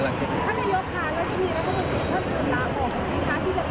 ไม่ท่าก็ไปถามไม่ตามกัน